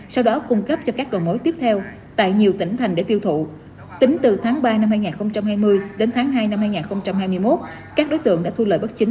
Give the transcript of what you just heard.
sau đó cung cấp cho các đồ mối tiếp theo tại nhiều tỉnh thành để tiêu thụ